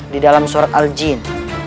di dalam surat al jin